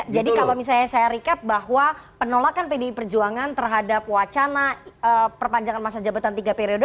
jadi kalau misalnya saya recap bahwa penolakan pdi perjuangan terhadap wacana perpanjangan masa jabatan tiga periode